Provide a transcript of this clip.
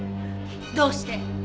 どうして？